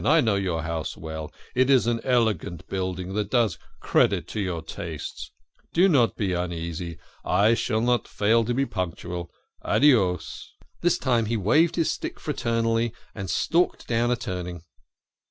I know your house well it is an elegant building that does credit to your taste do not be uneasy I shall not fail to be punctual. A Dios !" 20 THE KING OF SCHNORRERS. This time he waved his stick fraternally, and stalked down a turning.